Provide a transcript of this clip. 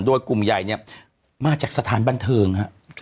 โดยกลุ่มใหญ่เนี่ยมาจากสถานบันเทิงฮะ